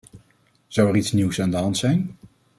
Zou er iets nieuws aan de hand zijn?